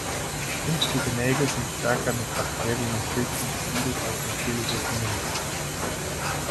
Künstliche Nägel sind stärker mit Bakterien und Pilzen besiedelt als natürliche Fingernägel.